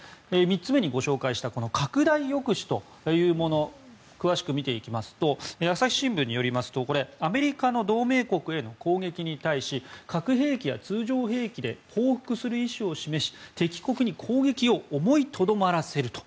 ３つ目にご紹介したこの拡大抑止というもの詳しく見ていきますと朝日新聞によりますとアメリカの同盟国への攻撃に対し核兵器や通常兵器で報復する意思を示し敵国に攻撃を思いとどまらせると。